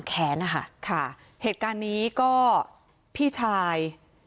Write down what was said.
ก็เลยตัดคอร์